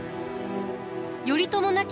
頼朝亡き